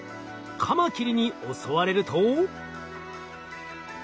カマキリに襲われると。